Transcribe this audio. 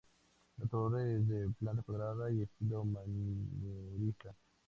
La torre es de planta cuadrada y estilo manierista.